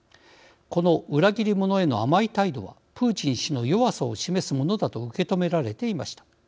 この裏切り者への甘い態度はプーチン氏の弱さを示すものだと受け止められていました。